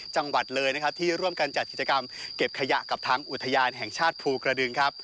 จังหวัดเลยนะครับที่ร่วมกันจัดกิจกรรมเก็บขยะกับทางอุทยานแห่งชาติภูกระดึงครับ